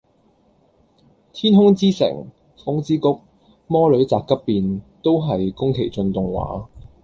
天空之城，風之谷，魔女宅急便，都係宮崎駿動畫